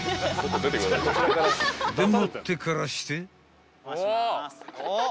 ［でもってからして］